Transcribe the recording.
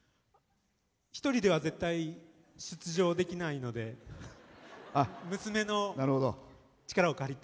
一人では絶対出場できないので娘の力を借りて。